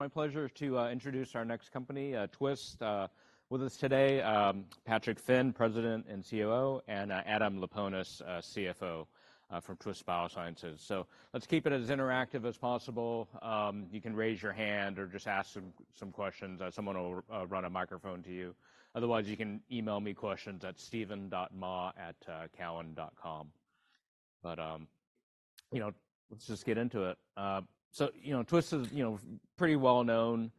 My pleasure is to introduce our next company, Twist, with us today, Patrick Finn, President and COO, and Adam Laponis, CFO, from Twist Bioscience. So let's keep it as interactive as possible. You can raise your hand or just ask some questions. Someone will run a microphone to you. Otherwise, you can email me questions at steven.mah@cowen.com. But, you know, let's just get into it. So, you know, Twist is, you know, pretty well-known,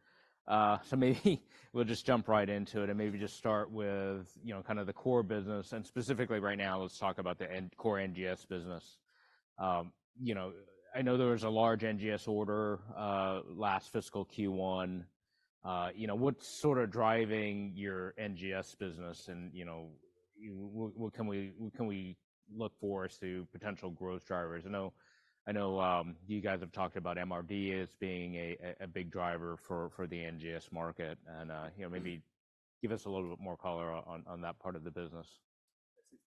so maybe we'll just jump right into it and maybe just start with, you know, kind of the core business. And specifically right now, let's talk about the core NGS business. You know, I know there was a large NGS order, last fiscal Q1. You know, what's sort of driving your NGS business and, you know, what can we look for as to potential growth drivers? I know, I know, you guys have talked about MRD as being a big driver for the NGS market. And, you know, maybe give us a little bit more color on that part of the business.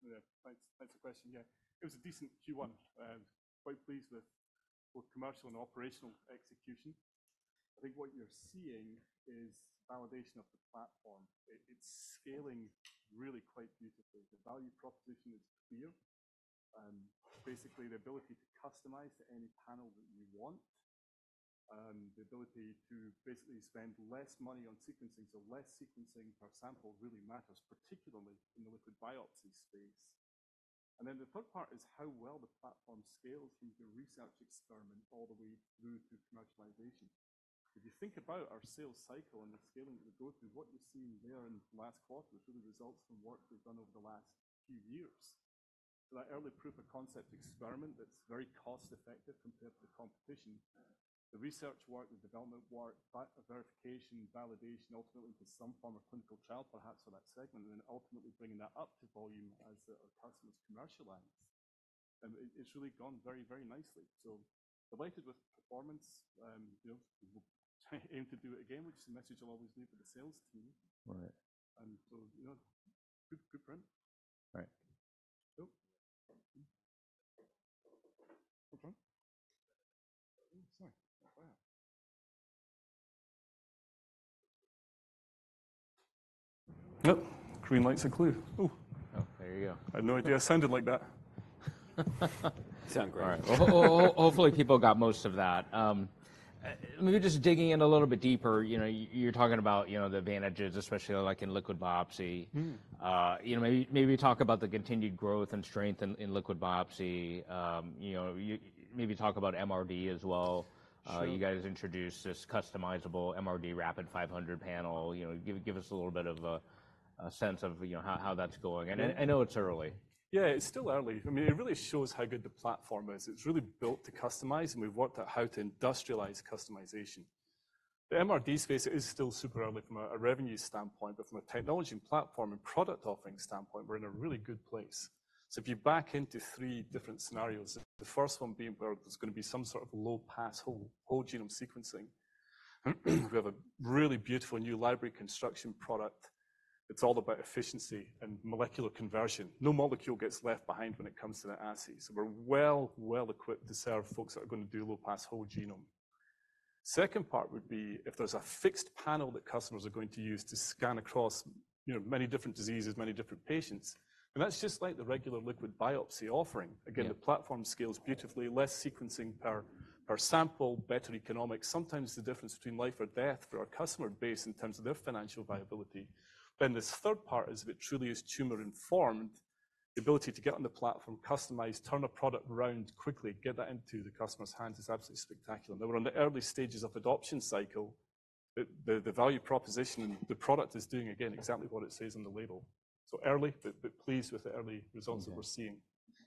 That's a fine, spot-on question. Yeah. It was a decent Q1, quite pleased with commercial and operational execution. I think what you're seeing is validation of the platform. It's scaling really quite beautifully. The value proposition is clear. Basically, the ability to customize to any panel that you want, the ability to basically spend less money on sequencing, so less sequencing per sample really matters, particularly in the liquid biopsy space. And then the third part is how well the platform scales from the research experiment all the way through to commercialization. If you think about our sales cycle and the scaling that we go through, what you're seeing there in the last quarter is really results from work we've done over the last few years. So that early proof of concept experiment that's very cost-effective compared to the competition, the research work, the development work, verification, validation, ultimately to some form of clinical trial, perhaps, for that segment, and then ultimately bringing that up to volume as our customers commercialize. It's really gone very, very nicely. So delighted with performance. You know, we'll aim to do it again, which is a message I'll always leave for the sales team. Right. And so, you know, good, good print. Right. Oh. Okay. Oh, sorry. Yep. Green lights are clear. Oh. Oh, there you go. I had no idea it sounded like that. Sounds great. All right. Well, ho-ho, hopefully people got most of that. Maybe just digging in a little bit deeper. You know, you're talking about, you know, the advantages, especially, like, in liquid biopsy. Mm-hmm. You know, maybe, maybe talk about the continued growth and strength in liquid biopsy. You know, maybe talk about MRD as well. You guys introduced this customizable MRD Reveal 500 Panel. You know, give, give us a little bit of a sense of, you know, how that's going. And I know it's early. Yeah. It's still early. I mean, it really shows how good the platform is. It's really built to customize, and we've worked out how to industrialize customization. The MRD space, it is still super early from a revenue standpoint, but from a technology and platform and product offering standpoint, we're in a really good place. So if you back into three different scenarios, the first one being where there's gonna be some sort of low-pass whole genome sequencing, we have a really beautiful new library construction product. It's all about efficiency and molecular conversion. No molecule gets left behind when it comes to the assay. So we're well equipped to serve folks that are gonna do low-pass whole genome. Second part would be if there's a fixed panel that customers are going to use to scan across, you know, many different diseases, many different patients. And that's just like the regular liquid biopsy offering. Again, the platform scales beautifully. Less sequencing per sample, better economics. Sometimes the difference between life or death for our customer base in terms of their financial viability. Then this third part is if it truly is tumor-informed, the ability to get on the platform, customize, turn a product around quickly, get that into the customer's hands is absolutely spectacular. Now, we're in the early stages of adoption cycle. The value proposition and the product is doing, again, exactly what it says on the label. So early, but pleased with the early results that we're seeing.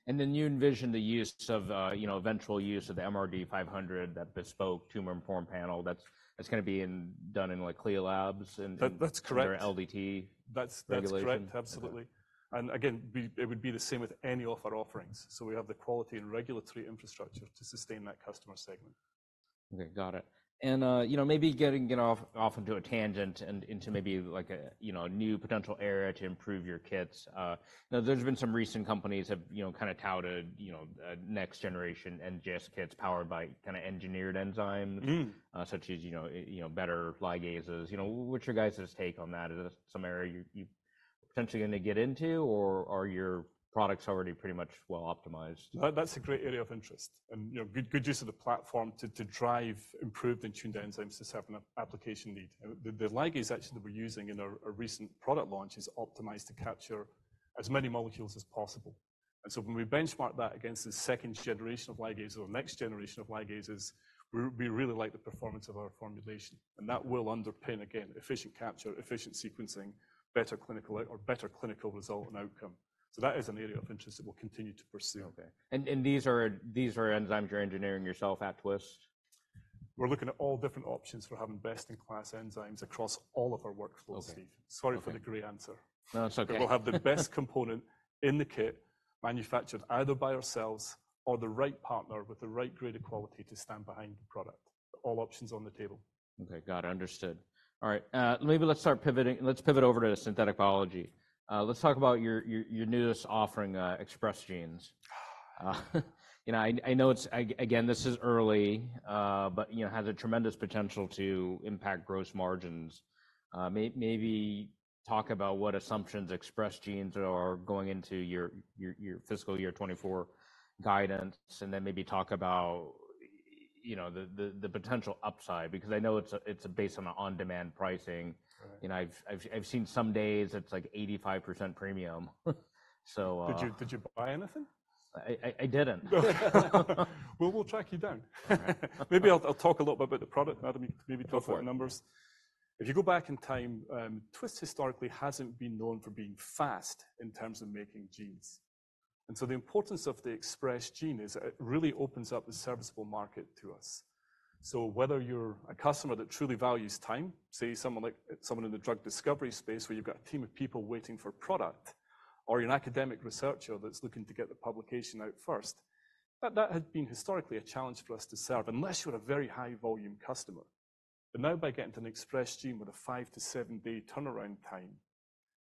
And then you envision the use of, you know, eventual use of the MRD 500, that bespoke tumor-informed panel that's gonna be done in, like, CLIA labs and, and. Tha-that's correct. Their LDT regulation. That's, that's correct. Absolutely. And again, we it would be the same with any of our offerings. So we have the quality and regulatory infrastructure to sustain that customer segment. Okay. Got it. And, you know, maybe getting off into a tangent and into maybe, like, a you know a new potential area to improve your kits. Now, there's been some recent companies have, you know, kind of touted, you know, next-generation NGS kits powered by kind of engineered enzymes. Mm-hmm. Such as, you know, better ligases. You know, what's your guys' take on that? Is that some area you potentially gonna get into, or are your products already pretty much well-optimized? That's a great area of interest. And, you know, good use of the platform to drive improved and tuned enzymes to serve an application need. The ligase actually that we're using in our recent product launch is optimized to capture as many molecules as possible. And so when we benchmark that against the second generation of ligases or next generation of ligases, we really like the performance of our formulation. And that will underpin, again, efficient capture, efficient sequencing, better clinical or better clinical result and outcome. So that is an area of interest that we'll continue to pursue. Okay. And these are enzymes you're engineering yourself at Twist? We're looking at all different options for having best-in-class enzymes across all of our workflows, Steve. Okay. Sorry for the great answer. No, it's okay. That we'll have the best component in the kit manufactured either by ourselves or the right partner with the right grade of quality to stand behind the product. All options on the table. Okay. Got it. Understood. All right. Maybe let's start pivoting. Let's pivot over to synthetic biology. Let's talk about your newest offering, Express Genes. You know, I know it's again, this is early, but you know, has a tremendous potential to impact gross margins. Maybe talk about what assumptions Express Genes are going into your fiscal year 2024 guidance, and then maybe talk about you know, the potential upside because I know it's based on on-demand pricing. Right. You know, I've seen some days it's like 85% premium. So, Did you buy anything? I didn't. We'll track you down. Maybe I'll talk a little bit about the product, Adam. You can maybe talk about the numbers. Of course. If you go back in time, Twist historically hasn't been known for being fast in terms of making genes. So the importance of the Express Genes is it really opens up the serviceable market to us. So whether you're a customer that truly values time, say, someone like someone in the drug discovery space where you've got a team of people waiting for product, or you're an academic researcher that's looking to get the publication out first, that has been historically a challenge for us to serve unless you're a very high-volume customer. But now, by getting an Express Genes with a five- to seven-day turnaround time,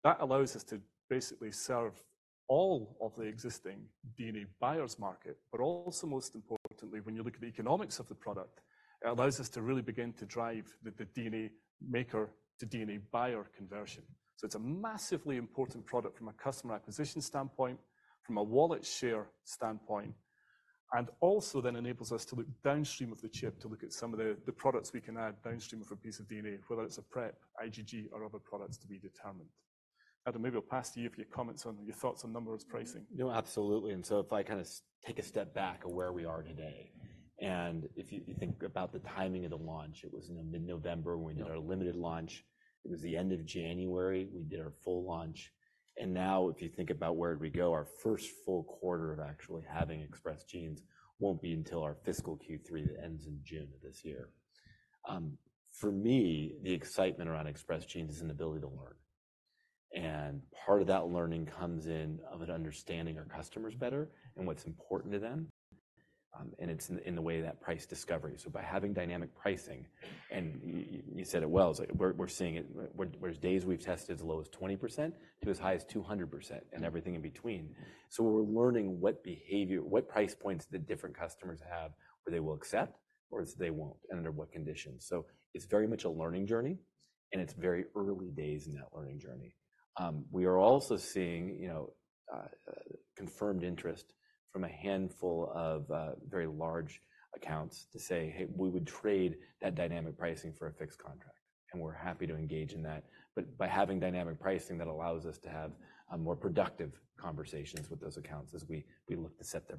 that allows us to basically serve all of the existing DNA buyers' market. But also, most importantly, when you look at the economics of the product, it allows us to really begin to drive the DNA maker to DNA buyer conversion. So it's a massively important product from a customer acquisition standpoint, from a wallet share standpoint, and also then enables us to look downstream of the chip to look at some of the, the products we can add downstream of a piece of DNA, whether it's a prep, IgG, or other products to be determined. Adam, maybe I'll pass to you for your comments on your thoughts on numbers, pricing. No, absolutely. And so if I kind of take a step back of where we are today, and if you think about the timing of the launch, it was, you know, mid-November when we did our limited launch. It was the end of January. We did our full launch. And now, if you think about where we go, our first full quarter of actually having Express Genes won't be until our fiscal Q3 that ends in June of this year. For me, the excitement around Express Genes is an ability to learn. And part of that learning comes in of it understanding our customers better and what's important to them. And it's in the way that price discovery. So by having dynamic pricing and you said it well. It's like we're seeing it. We're there. There's days we've tested as low as 20%-200% and everything in between. So we're learning what behavior, what price points the different customers have where they will accept or they won't and under what conditions. So it's very much a learning journey, and it's very early days in that learning journey. We are also seeing, you know, confirmed interest from a handful of very large accounts to say, "Hey, we would trade that dynamic pricing for a fixed contract. And we're happy to engage in that." But by having dynamic pricing, that allows us to have more productive conversations with those accounts as we look to set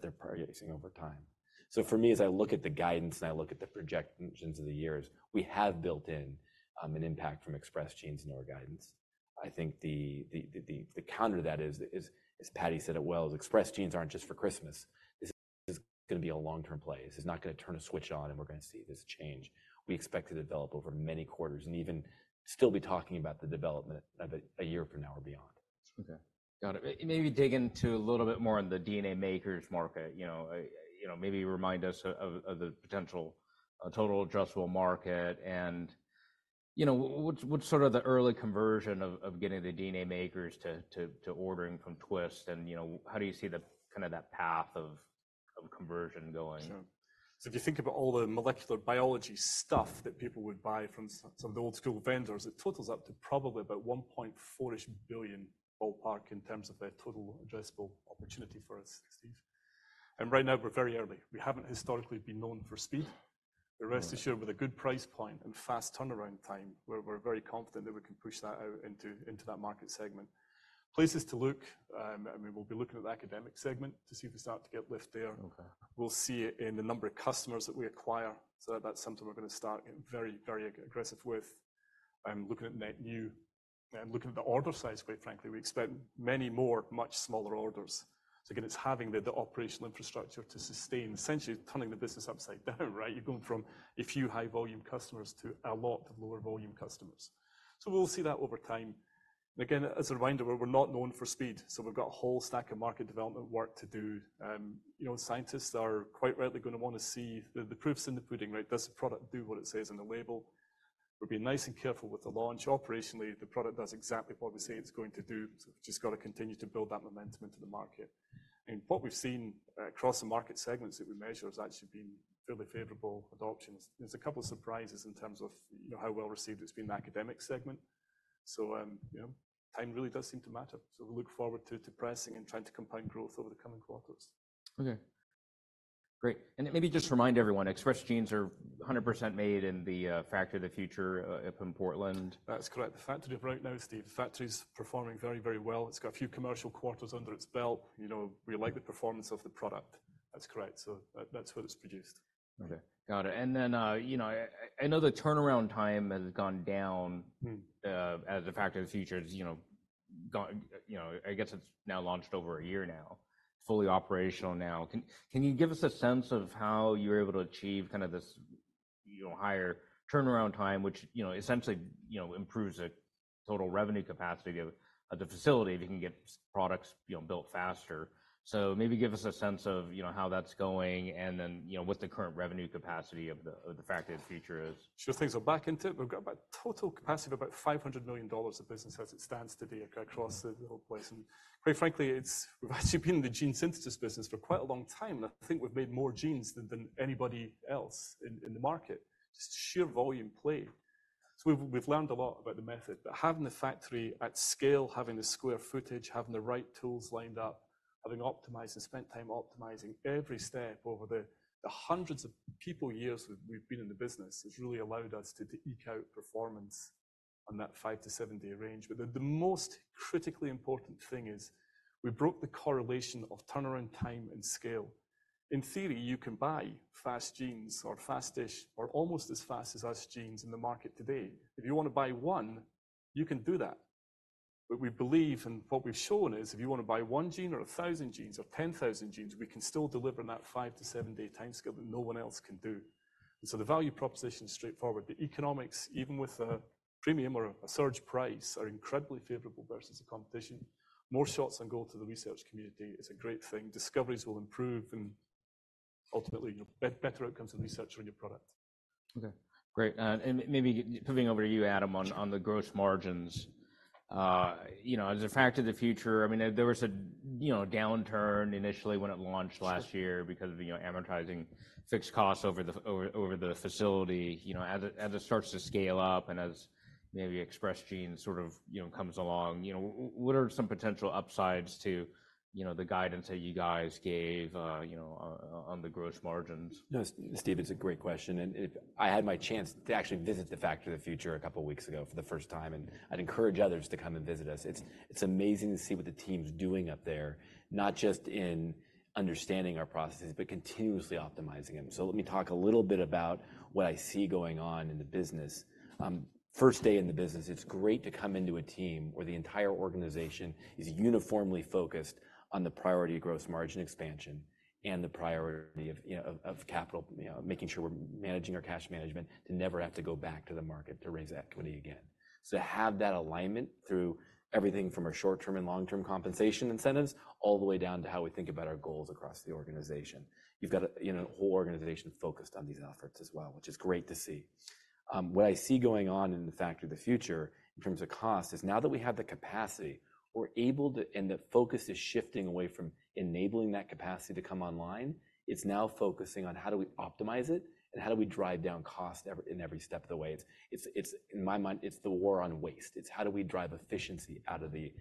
their pricing over time. So for me, as I look at the guidance and I look at the projections of the years, we have built in an impact from Express Genes in our guidance. I think the counter to that is, as Paddy said it well, is Express Genes aren't just for Christmas. This is gonna be a long-term play. This is not gonna turn a switch on, and we're gonna see this change. We expect to develop over many quarters and even still be talking about the development of it a year from now or beyond. Okay. Got it. Maybe dig into a little bit more in the DNA makers market. You know, you know, maybe remind us of the potential total adjustable market. And, you know, what's sort of the early conversion of getting the DNA makers to ordering from Twist? And, you know, how do you see the kind of that path of conversion going? Sure. So if you think about all the molecular biology stuff that people would buy from some of the old-school vendors, it totals up to probably about $1.4 billion-ish, ballpark, in terms of their total addressable opportunity for us, Steve. And right now, we're very early. We haven't historically been known for speed. We're rest assured with a good price point and fast turnaround time. We're very confident that we can push that out into that market segment. Places to look, I mean, we'll be looking at the academic segment to see if we start to get lift there. Okay. We'll see it in the number of customers that we acquire. So that's something we're gonna start getting very, very aggressive with. I'm looking at net new. I'm looking at the order size, quite frankly. We expect many more, much smaller orders. So again, it's having the operational infrastructure to sustain essentially turning the business upside down, right? You're going from a few high-volume customers to a lot of lower-volume customers. So we'll see that over time. And again, as a reminder, we're not known for speed. So we've got a whole stack of market development work to do. You know, scientists are quite rightly gonna wanna see the proof's in the pudding, right? Does the product do what it says on the label? We'll be nice and careful with the launch. Operationally, the product does exactly what we say it's going to do. So we've just gotta continue to build that momentum into the market. And what we've seen, across the market segments that we measure has actually been fairly favorable adoption. There's a couple of surprises in terms of, you know, how well-received it's been in the academic segment. So, you know, time really does seem to matter. So we look forward to pressing and trying to compound growth over the coming quarters. Okay. Great. And it may be just to remind everyone, Express Genes are 100% made in the Factory of the Future, up in Portland. That's correct. The factory we're at now, Steve, the factory's performing very, very well. It's got a few commercial quarters under its belt. You know, we like the performance of the product. That's correct. So that's where it's produced. Okay. Got it. And then, you know, I know the turnaround time has gone down. Mm-hmm. As the Factory of the Future's, you know, gonna, you know, I guess it's now launched over a year now. It's fully operational now. Can you give us a sense of how you were able to achieve kind of this, you know, higher turnaround time, which, you know, essentially, you know, improves the total revenue capacity of the facility if you can get its products, you know, built faster? So maybe give us a sense of, you know, how that's going and then, you know, what the current revenue capacity of the Factory of the Future is. Sure. Things are back in tip. We've got about total capacity of about $500 million of business as it stands today across the whole place. And quite frankly, we've actually been in the gene synthesis business for quite a long time. And I think we've made more genes than anybody else in the market. Just sheer volume play. So we've learned a lot about the method. But having the factory at scale, having the square footage, having the right tools lined up, having optimized and spent time optimizing every step over the hundreds of people years we've been in the business has really allowed us to eke out performance on that five- to seven-day range. But the most critically important thing is we broke the correlation of turnaround time and scale. In theory, you can buy fast genes or fast-ish or almost as fast as us genes in the market today. If you wanna buy 1, you can do that. But we believe and what we've shown is if you wanna buy one gene or 1,000 genes or 10,000 genes, we can still deliver in that five-seven-day time scale that no one else can do. And so the value proposition is straightforward. The economics, even with a premium or a surge price, are incredibly favorable versus the competition. More shots on goal to the research community is a great thing. Discoveries will improve and ultimately, you know, better outcomes in research and your product. Okay. Great. And maybe pivoting over to you, Adam, on the gross margins. You know, as the Factory of the Future, I mean, there was a downturn initially when it launched last year because of amortizing fixed costs over the facility. You know, as it starts to scale up and as maybe Express Genes sort of comes along, you know, what are some potential upsides to the guidance that you guys gave, you know, on the gross margins? No, Steve, it's a great question. And if I had my chance to actually visit the Factory of the Future a couple of weeks ago for the first time, and I'd encourage others to come and visit us. It's, it's amazing to see what the team's doing up there, not just in understanding our processes but continuously optimizing them. So let me talk a little bit about what I see going on in the business. First day in the business, it's great to come into a team where the entire organization is uniformly focused on the priority of gross margin expansion and the priority of, you know, of, of capital, you know, making sure we're managing our cash management to never have to go back to the market to raise equity again. So to have that alignment through everything from our short-term and long-term compensation incentives all the way down to how we think about our goals across the organization, you've got a, you know, a whole organization focused on these efforts as well, which is great to see. What I see going on in the Factory of the Future in terms of cost is now that we have the capacity, we're able to and the focus is shifting away from enabling that capacity to come online. It's now focusing on how do we optimize it, and how do we drive down cost ever in every step of the way. It's, it's, it's in my mind, it's the war on waste. It's how do we drive efficiency out of the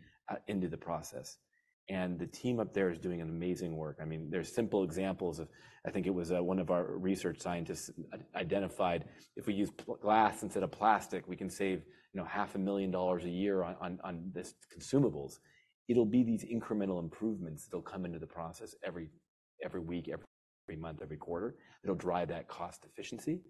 into the process. And the team up there is doing an amazing work. I mean, there's simple examples of I think it was, one of our research scientists identified if we use Pyrex glass instead of plastic, we can save, you know, $500,000 a year on this consumables. It'll be these incremental improvements that'll come into the process every week, every month, every quarter. It'll drive that cost efficiency.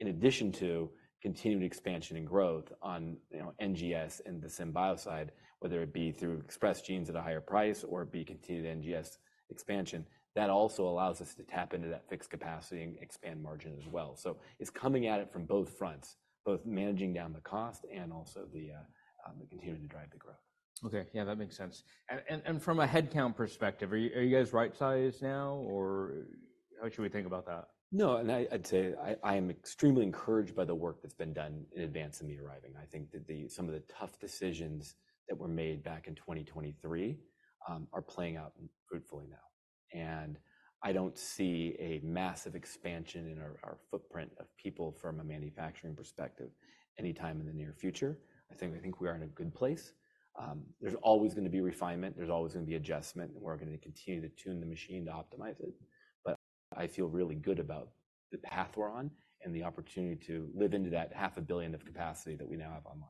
In addition to continued expansion and growth on, you know, NGS and the SynBio side, whether it be through Express Genes at a higher price or it be continued NGS expansion, that also allows us to tap into that fixed capacity and expand margin as well. So it's coming at it from both fronts, both managing down the cost and also the continuity to drive the growth. Okay. Yeah. That makes sense. And from a headcount perspective, are you guys right-sized now, or how should we think about that? No. And I, I'd say I, I am extremely encouraged by the work that's been done in advance of me arriving. I think that some of the tough decisions that were made back in 2023 are playing out fruitfully now. And I don't see a massive expansion in our, our footprint of people from a manufacturing perspective anytime in the near future. I think, I think we are in a good place. There's always gonna be refinement. There's always gonna be adjustment. And we're gonna continue to tune the machine to optimize it. But I feel really good about the path we're on and the opportunity to live into that $500 million of capacity that we now have online.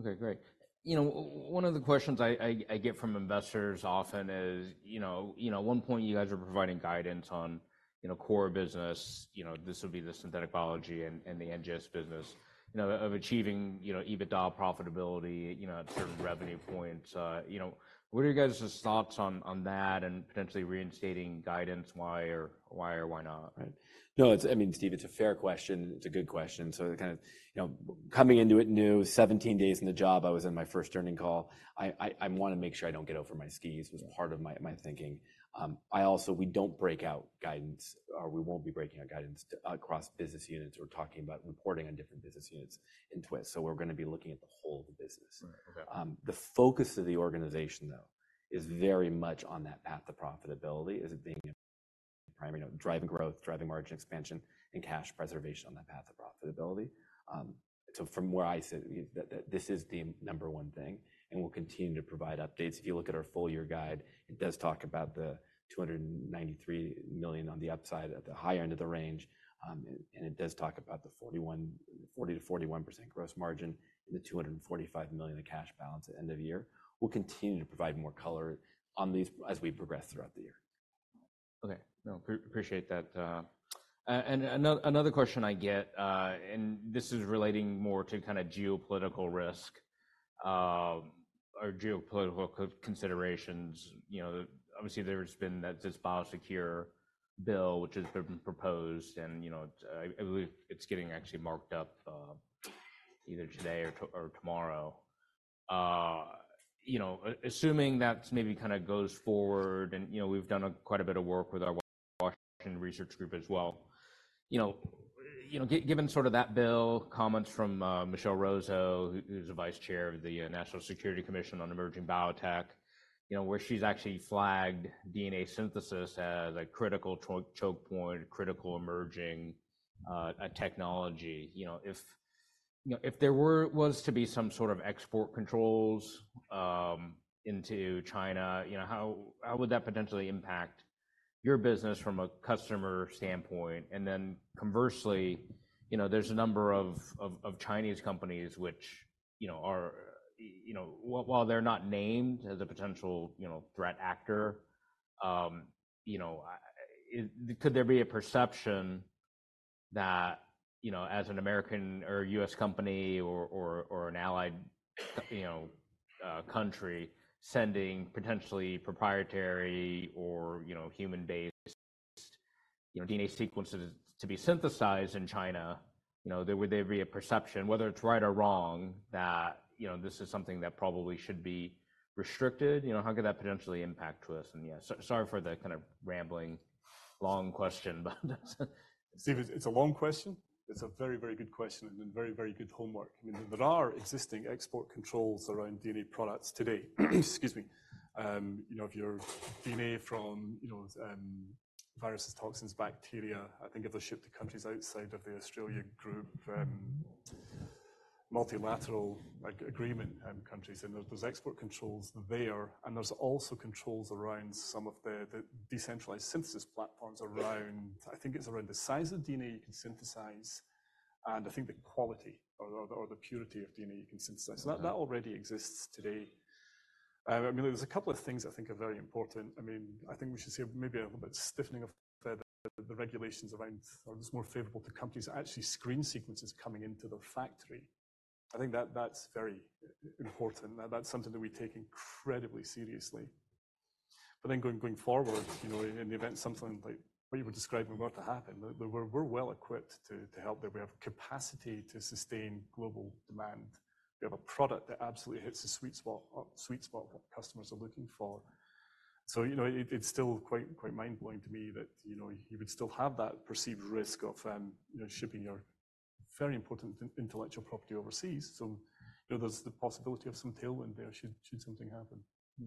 Okay. Great. You know, one of the questions I get from investors often is, you know, you know, at one point, you guys were providing guidance on, you know, core business. You know, this would be the synthetic biology and the NGS business, you know, of achieving, you know, EBITDA profitability, you know, at certain revenue points. You know, what are you guys' thoughts on that and potentially reinstating guidance? Why or why not? Right. No, it's—I mean, Steve, it's a fair question. It's a good question. So kind of, you know, coming into it new, 17 days in the job, I was in my first earnings call. I wanna make sure I don't get over my skis was part of my thinking. I also we don't break out guidance or we won't be breaking out guidance to across business units. We're talking about reporting on different business units in Twist. So we're gonna be looking at the whole of the business. Right. Okay. The focus of the organization, though, is very much on that path of profitability as it being a primary note, driving growth, driving margin expansion, and cash preservation on that path of profitability. So from where I sit, you know, that this is the number one thing. We'll continue to provide updates. If you look at our full-year guide, it does talk about the $293 million on the upside at the higher end of the range. And it does talk about the 40%-41% gross margin and the $245 million of cash balance at end of year. We'll continue to provide more color on these as we progress throughout the year. Okay. No, appreciate that. And another question I get, and this is relating more to kind of geopolitical risk, or geopolitical considerations. You know, obviously, there's been that this BIOSECURE bill, which has been proposed. And, you know, it's, I believe it's getting actually marked up, either today or tomorrow. You know, assuming that maybe kind of goes forward and, you know, we've done quite a bit of work with our Washington research group as well. You know, given sort of that bill, comments from Michelle Rozo, who's the vice chair of the National Security Commission on Emerging Biotech, you know, where she's actually flagged DNA synthesis as a critical choke point, critical emerging technology. You know, if, you know, if there were to be some sort of export controls into China, you know, how would that potentially impact your business from a customer standpoint? And then conversely, you know, there's a number of Chinese companies which, you know, are, you know, while they're not named as a potential threat actor, you know, it could there be a perception that, you know, as an American or US company or an allied country sending potentially proprietary or human-based DNA sequences to be synthesized in China, you know, there would be a perception, whether it's right or wrong, that, you know, this is something that probably should be restricted? You know, how could that potentially impact Twist? And yeah, sorry for the kind of rambling, long question, but. Steve, it's a long question. It's a very, very good question and very, very good homework. I mean, there are existing export controls around DNA products today. Excuse me. You know, if your DNA from, you know, viruses, toxins, bacteria, I think if they're shipped to countries outside of the Australia Group, multilateral agreement countries, and there's export controls, they're there. And there's also controls around some of the decentralized synthesis platforms around I think it's around the size of DNA you can synthesize and I think the quality or the purity of DNA you can synthesize. So that already exists today. Emily, there's a couple of things I think are very important. I mean, I think we should see maybe a little bit stiffening of the regulations around or it's more favorable to companies to actually screen sequences coming into their factory. I think that, that's very important. That's something that we take incredibly seriously. But then going forward, you know, in the event something like what you were describing were to happen, that we're well-equipped to help there. We have capacity to sustain global demand. We have a product that absolutely hits the sweet spot what customers are looking for. So, you know, it's still quite mind-blowing to me that, you know, you would still have that perceived risk of, you know, shipping your very important intellectual property overseas. So, you know, there's the possibility of some tailwind there should something happen.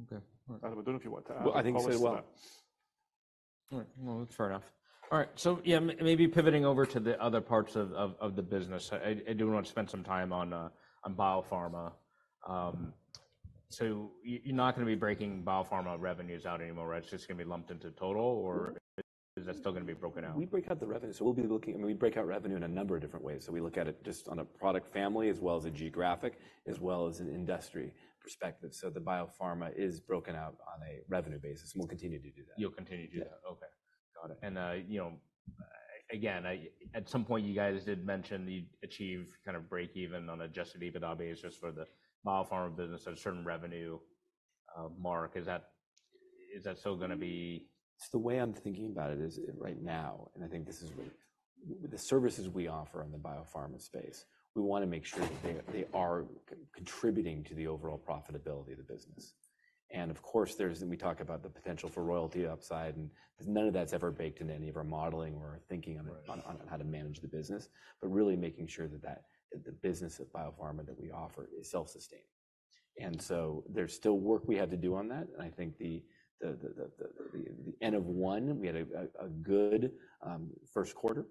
Okay. All right. Adam, I don't know if you want to add anything to that. Well, I think so, well. All right. No, that's fair enough. All right. So yeah, maybe pivoting over to the other parts of the business. I do wanna spend some time on Biopharma. So you're not gonna be breaking Biopharma revenues out anymore, right? It's just gonna be lumped into total, or is that still gonna be broken out? We break out the revenue. So we'll be looking, I mean, we break out revenue in a number of different ways. So we look at it just on a product family as well as a geographic as well as an industry perspective. So the Biopharma is broken out on a revenue basis. And we'll continue to do that. You'll continue to do that. Okay. Got it. And, you know, again, I at some point, you guys did mention you achieve kind of break-even on a just-at-EBITDA basis for the biopharma business at a certain revenue mark. Is that still gonna be? It's the way I'm thinking about it is right now, and I think this is really with the services we offer in the biopharma space, we wanna make sure that they are contributing to the overall profitability of the business. And of course, there's and we talk about the potential for royalty upside. And none of that's ever baked into any of our modeling or thinking on it. Right. On how to manage the business, but really making sure that that is the business of Biopharma that we offer is self-sustaining. And so there's still work we have to do on that. And I think the end of Q1, we had a good first quarter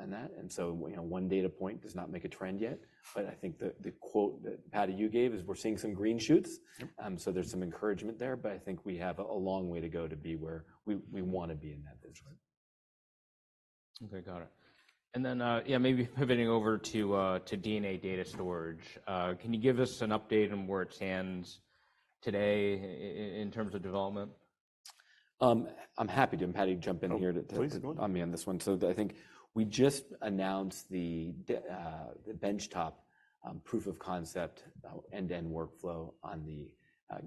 on that. And so, you know, one data point does not make a trend yet. But I think the quote that you gave is we're seeing some green shoots. Yep. So there's some encouragement there. But I think we have a long way to go to be where we wanna be in that business. Right. Okay. Got it. And then, yeah, maybe pivoting over to DNA data storage. Can you give us an update on where it stands today in terms of development? I'm happy to jump in here to. Oh, please. Go ahead. I'm in on this one. So I think we just announced the benchtop proof of concept end-to-end workflow on the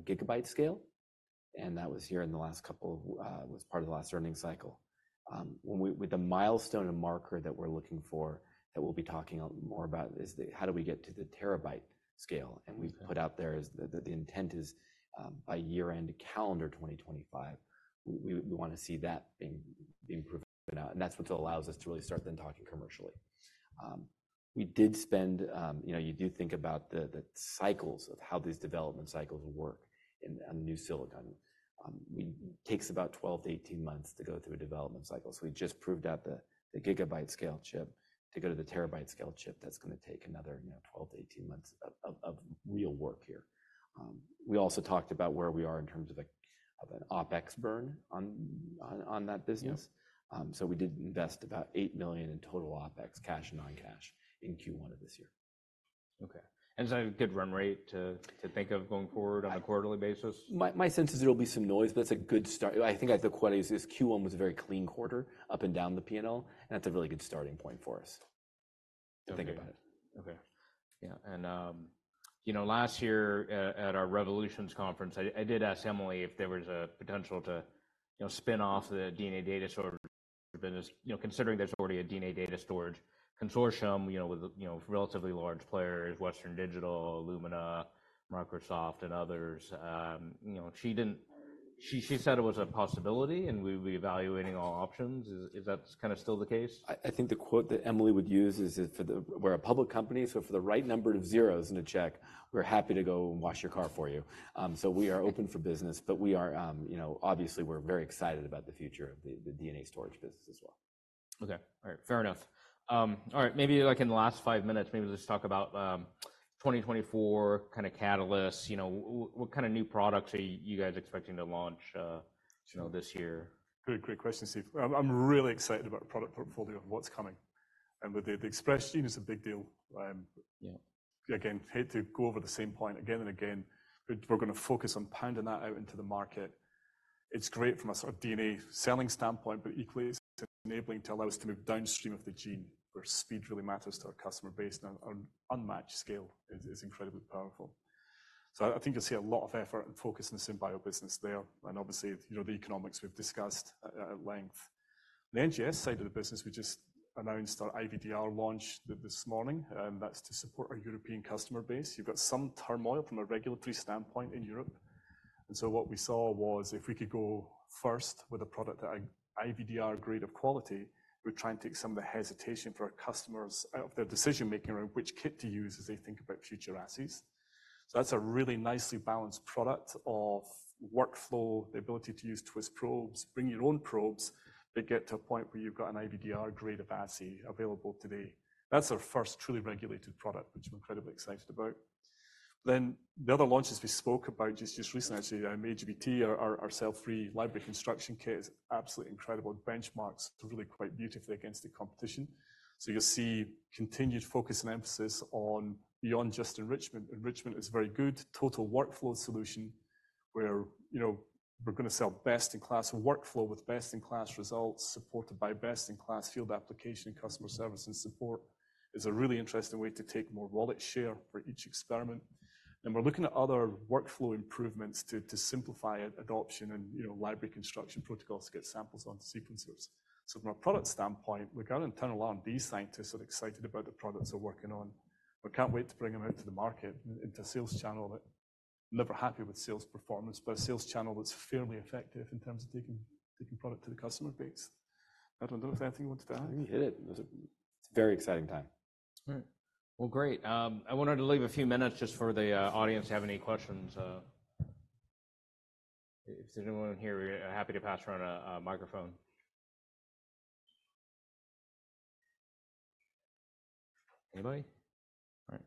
gigabyte scale. And that was here in the last couple of weeks was part of the last earnings cycle. The milestone and marker that we're looking for that we'll be talking a lot more about is how do we get to the terabyte scale? And we've put out there the intent is, by year-end calendar 2025, we wanna see that being proven out. And that's what allows us to really start then talking commercially. We did spend, you know, you do think about the cycles of how these development cycles work on new silicon. It takes about 12 to 18 months to go through a development cycle. So we just proved out the gigabyte-scale chip to go to the terabyte-scale chip. That's gonna take another, you know, 12-18 months of real work here. We also talked about where we are in terms of a CFO's OpEx burn on that business. Yep. We did invest about $8 million in total OpEx, cash and non-cash, in Q1 of this year. Okay. And is that a good run rate to think of going forward on a quarterly basis? My sense is there'll be some noise, but it's a good start. I think the quote is Q1 was a very clean quarter up and down the P&L. That's a really good starting point for us to think about it. Okay. Okay. Yeah. And, you know, last year, at our Revolutions Conference, I did ask Emily if there was a potential to, you know, spin off the DNA data storage business, you know, considering there's already a DNA data storage consortium, you know, with, you know, relatively large players: Western Digital, Illumina, Microsoft, and others. You know, she said it was a possibility. And we'll be evaluating all options. Is that kind of still the case? I think the quote that Emily would use is, "We're a public company, so for the right number of zeros in a check, we're happy to go and wash your car for you." So we are open for business. But we are, you know, obviously, we're very excited about the future of the DNA storage business as well. Okay. All right. Fair enough. All right. Maybe, like, in the last five minutes, maybe let's talk about 2024 kind of catalyst. You know, what kind of new products are you guys expecting to launch, you know, this year? Good, great question, Steve. I'm really excited about the product portfolio and what's coming. And with the Express Gene is a big deal. Yeah. Again, hate to go over the same point again and again. We're, we're gonna focus on pounding that out into the market. It's great from a sort of DNA selling standpoint, but equally, it's enabling to allow us to move downstream of the gene where speed really matters to our customer base on, on unmatched scale is, is incredibly powerful. So I, I think you'll see a lot of effort and focus in the SynBio business there. And obviously, you know, the economics we've discussed at length. The NGS side of the business, we just announced our IVDR launch this morning. That's to support our European customer base. You've got some turmoil from a regulatory standpoint in Europe. What we saw was if we could go first with a product that IVDR-grade of quality, we're trying to take some of the hesitation for our customers out of their decision-making around which kit to use as they think about future assays. That's a really nicely balanced product of workflow, the ability to use Twist probes, bring your own probes, but get to a point where you've got an IVDR-grade of assay available today. That's our first truly regulated product, which I'm incredibly excited about. The other launches we spoke about just recently, actually, Twist cfDNA Library Preparation Kit, our cell-free library construction kit is absolutely incredible. Benchmarks to really quite beautifully against the competition. You'll see continued focus and emphasis on beyond just enrichment. Enrichment is very good. Total workflow solution where, you know, we're gonna sell best-in-class workflow with best-in-class results supported by best-in-class field application and customer service and support is a really interesting way to take more wallet share for each experiment. We're looking at other workflow improvements to simplify adoption and, you know, library construction protocols to get samples onto sequencers. So from a product standpoint, we've got internal R&D scientists that are excited about the products they're working on. We can't wait to bring them out to the market, into a sales channel. We're never happy with sales performance, but a sales channel that's fairly effective in terms of taking product to the customer base. Adam, I don't know if there's anything you wanted to add? I think we hit it. It's a very exciting time. All right. Well, great. I wanted to leave a few minutes just for the audience to have any questions, if there's anyone here, we're happy to pass around a microphone. Anybody? All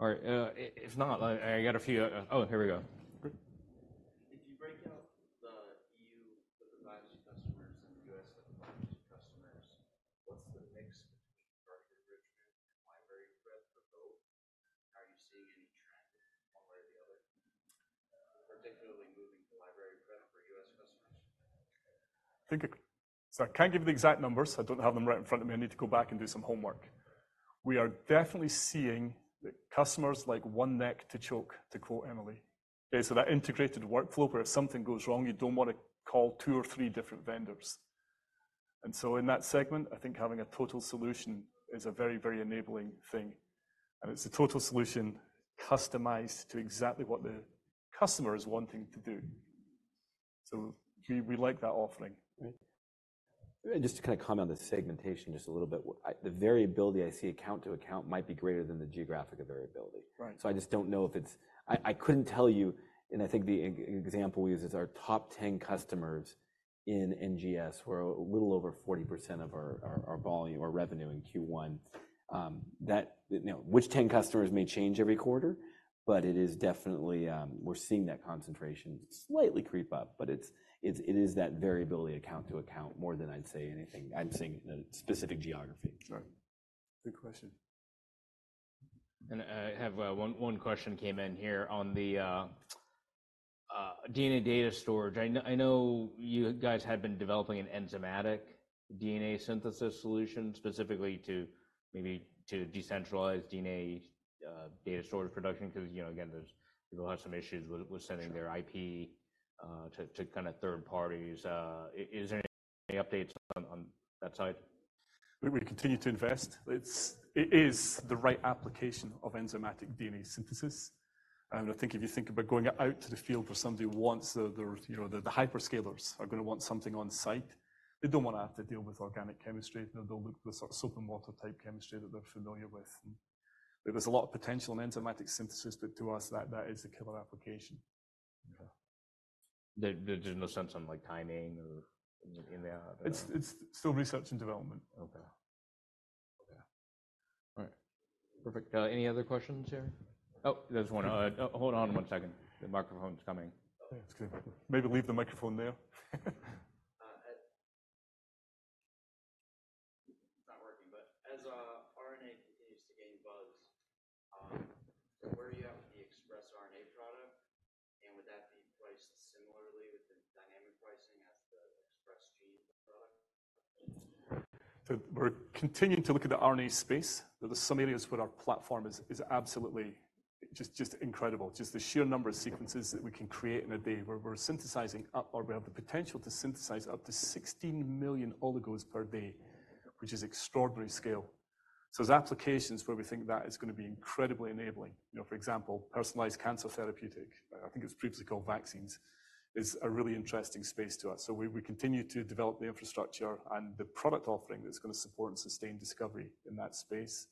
right. All right. If not, I got a few, oh, here we go. Great. If you break out the EU for the biopsy customers and the US for the biopsy customers, what's the mix between target enrichment and library prep for both? Are you seeing any trend one way or the other, particularly moving to library prep for US customers? I think, sorry, can't give you the exact numbers. I don't have them right in front of me. I need to go back and do some homework. We are definitely seeing that customers like one neck to choke, to quote Emily. Okay. So that integrated workflow where if something goes wrong, you don't wanna call two or three different vendors. And so in that segment, I think having a total solution is a very, very enabling thing. And it's a total solution customized to exactly what the customer is wanting to do. So we, we like that offering. Right. And just to kind of comment on the segmentation just a little bit, with the variability I see account to account might be greater than the geographic variability. Right. So, I just don't know if it's. I couldn't tell you. And I think the example we use is our top 10 customers in NGS, where a little over 40% of our volume or revenue in Q1, you know, which 10 customers may change every quarter, but it is definitely. We're seeing that concentration slightly creep up. But it's, it is that variability account to account more than I'd say anything. I'm seeing it in a specific geography. All right. Good question. I have one question came in here on the DNA data storage. I know you guys had been developing an enzymatic DNA synthesis solution specifically to maybe decentralize DNA data storage production 'cause, you know, again, there's people have some issues with sending their IP to third parties. Is there any updates on that side? We continue to invest. It is the right application of enzymatic DNA synthesis. And I think if you think about going out to the field where somebody wants their you know the hyperscalers are gonna want something on-site, they don't wanna have to deal with organic chemistry. They'll look for sort of soap and water-type chemistry that they're familiar with. And there was a lot of potential in enzymatic synthesis, but to us, that is the killer application. Okay. There's no sense on, like, timing or in that? It's still research and development. Okay. Okay. All right. Perfect. Any other questions here? Oh, there's one. Oh, hold on one second. The microphone's coming. Yeah. It's good. Maybe leave the microphone there. But it's not working. But as RNA continues to gain buzz, where are you at with the express RNA product? And would that be priced similarly with the dynamic pricing as the express gene product? So we're continuing to look at the RNA space. There are some areas where our platform is, is absolutely just, just incredible, just the sheer number of sequences that we can create in a day. We're, we're synthesizing up or we have the potential to synthesize up to 16 million oligos per day, which is extraordinary scale. So there's applications where we think that is gonna be incredibly enabling. You know, for example, personalized cancer therapeutic I, I think it was previously called vaccines is a really interesting space to us. So we, we continue to develop the infrastructure and the product offering that's gonna support and sustain discovery in that space.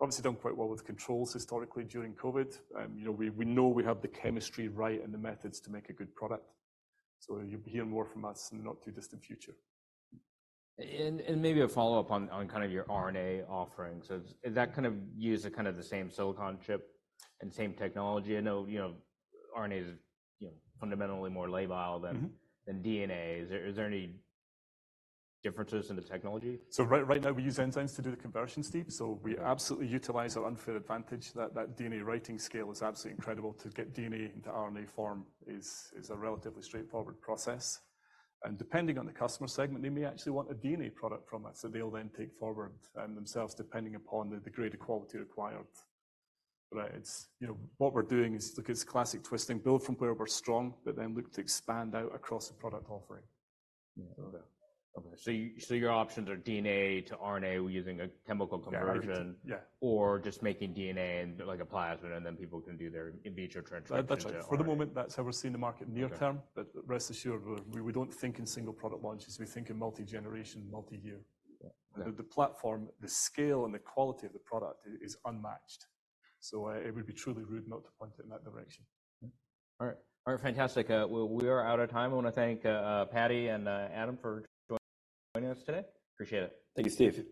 We've obviously done quite well with controls historically during COVID. You know, we, we know we have the chemistry right and the methods to make a good product. You'll be hearing more from us in the not-too-distant future. And maybe a follow-up on kind of your RNA offering. So is that kind of use of kind of the same silicon chip and same technology? I know, you know, RNA is, you know, fundamentally more labile than. Mm-hmm. Than DNA. Is there, is there any differences in the technology? So right now, we use enzymes to do the conversion step. So we absolutely utilize our unfair advantage. That DNA writing scale is absolutely incredible. To get DNA into RNA form is a relatively straightforward process. And depending on the customer segment, they may actually want a DNA product from us that they'll then take forward themselves depending upon the grade of quality required. But you know, what we're doing is look at this classic twisting, build from where we're strong, but then look to expand out across the product offering. Yeah. Okay. Okay. So your options are DNA to RNA using a chemical conversion. Right. Yeah. Or just making DNA and, like, a plasmid, and then people can do their in vitro transcription and such. But that's for the moment, that's how we're seeing the market near term. But rest assured, we don't think in single product launches. We think in multi-generation, multi-year. Yeah. Yeah. The platform, the scale, and the quality of the product is unmatched. So, it would be truly rude not to point it in that direction. All right. All right. Fantastic. Well, we are out of time. I wanna thank Patty and Adam for joining us today. Appreciate it. Thank you, Steve.